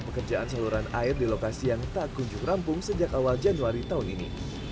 pekerjaan saluran air di lokasi yang tak kunjung rampung sejak awal januari tahun ini